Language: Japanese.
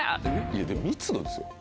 でも密度ですよ。